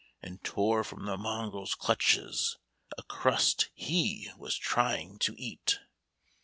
And tore from the mongrel's clutches A crust he was trying to eat.